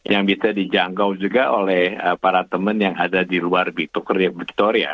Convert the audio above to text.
yang bisa dijangkau juga oleh para teman yang ada di luar victoria